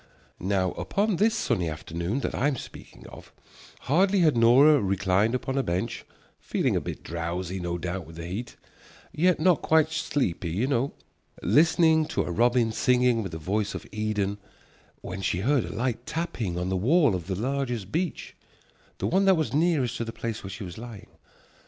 Now upon this sunny afternoon that I am speaking of, hardly had Nora reclined upon her bench, feeling a bit drowsy no doubt with the heat, yet not quite sleepy you know, listening to a robin singing with the voice of Eden, when she heard a light tapping on the wall of the largest beech, the one that was nearest to the place where she was lying.